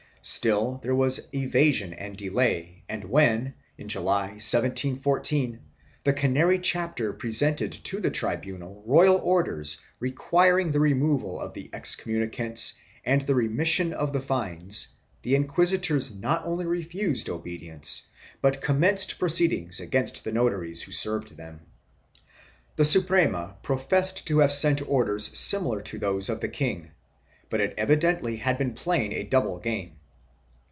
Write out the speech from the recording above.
Still there was evasion and delay and when, in July, 1714, the Canary chapter presented to the tribunal royal orders requiring the removal of the excommunications and the remission of the fines, the inquisitors not only refused obedience but commenced proceedings against the notaries who served them. The Suprema professed to have sent orders similar to those of the king, but it evidently had been playing a double game.